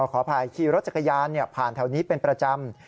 ขออภัยขี่รถจักรยานผ่านแถวนี้เป็นประจำ